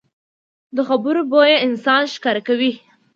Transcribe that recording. د خبرو بویه انسان ښکاره کوي